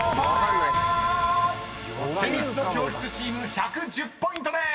［女神の教室チーム１１０ポイントでーす！］